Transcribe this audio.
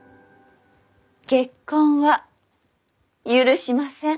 結婚は許しません。